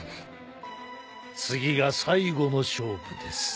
次が最後の勝負です。